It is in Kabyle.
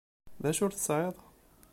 D acu ur tesεiḍ?